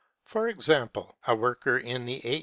For example, a worker in the A.